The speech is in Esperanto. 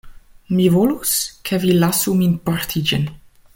Mi volus, ke vi lasu min porti ĝin.